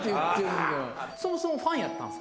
そもそもファンやったんですか？